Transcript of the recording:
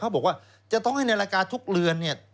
เขาบอกว่าจะต้องให้ในรายการทุกเรือน